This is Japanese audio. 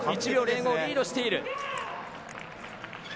１秒０５リードしている。